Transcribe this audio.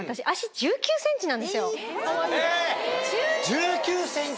１９ｃｍ！